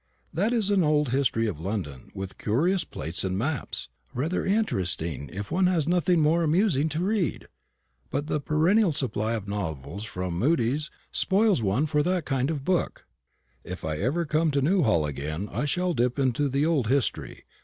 "That is an old history of London, with curious plates and maps; rather interesting if one has nothing more amusing to read. But the perennial supply of novels from Mudie's spoils one for that kind of book." "If ever I come to Newhall again, I shall dip into the old history.